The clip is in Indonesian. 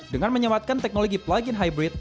dengan menyamatkan teknologi plugin hybrid